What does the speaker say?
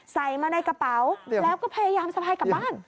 ใส่มาในกระเป๋าแล้วก็พยายามสะพายกลับบ้าน